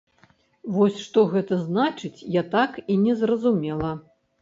Вось што гэта значыць, я так і не зразумела.